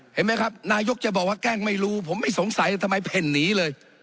เห็นไหมครับนายกจะบอกว่าแกล้งไม่รู้ผมไม่สงสัยทำไมเพ่นหนีเลย